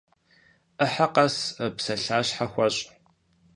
Ӏыхьэ къэс псалъащхьэ хуэщӏ.